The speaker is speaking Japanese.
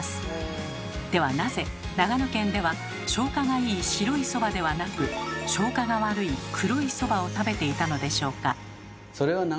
ではなぜ長野県では消化がいい白いそばではなく消化が悪い黒いそばを食べていたのでしょうか？